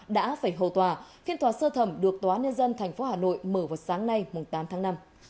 đã phải hầu tòa khiến tòa sơ thẩm được tóa nên dân tp hà nội mở vào sáng nay tám tháng năm